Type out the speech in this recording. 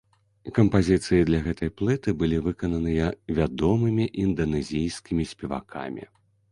Кампазіцыі для гэтай плыты былі выкананыя вядомымі інданэзійскімі спевакамі.